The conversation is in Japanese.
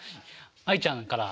愛ちゃんから。